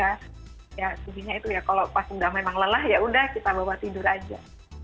ya jadinya itu ya kalau pas udah memang lelah ya udah kita bawa tidur aja